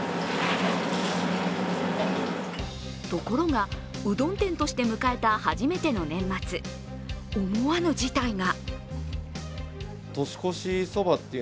ところが、うどん店として迎えた初めての年末、思わぬ事態が。